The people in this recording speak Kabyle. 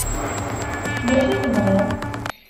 D acu i tebɣiḍ?